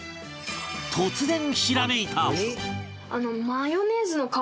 突然ひらめいた！